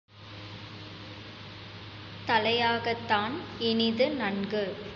தலையாகத் தான்இனிது நன்கு